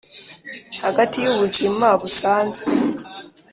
hagati yubuzima busanzwe,